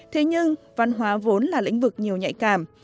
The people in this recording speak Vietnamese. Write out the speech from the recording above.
thế nhưng văn hóa vốn là lĩnh vực nhiều nhạy cảm